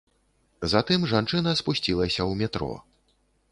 Затым жанчына спусцілася ў метро.